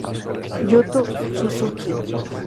Yuto Suzuki